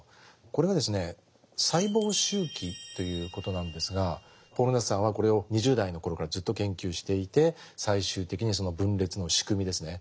これがですね細胞周期ということなんですがポール・ナースさんはこれを２０代の頃からずっと研究していて最終的にその分裂の仕組みですね。